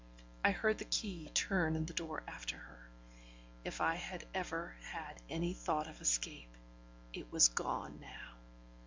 I heard the key turn in the door after her if I had ever had any thought of escape it was gone now.